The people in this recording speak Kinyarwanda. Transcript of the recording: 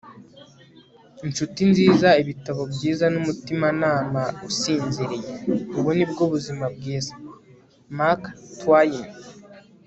inshuti nziza, ibitabo byiza n'umutimanama usinziriye: ubu ni bwo buzima bwiza. - mark twain